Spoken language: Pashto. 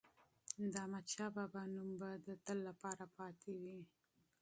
د احمدشاه بابا نوم به د تل لپاره پاتې وي.